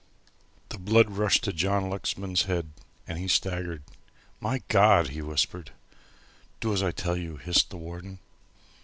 The blood rushed to John Lexman's head, and he staggered. "My God!" he whispered. "Do as I tell you," hissed the warder.